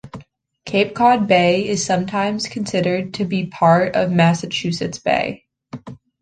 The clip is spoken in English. Cape Cod Bay is sometimes considered to be part of Massachusetts Bay.